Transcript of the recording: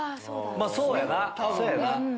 まぁそうやな。